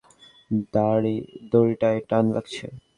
দড়িটায় টান লাগছে!